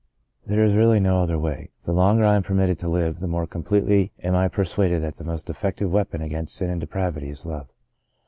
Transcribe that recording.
There is really no other way. The longer I am permitted to live, the more completely am I persuaded that the most effective weapon against sin and depravity is Love.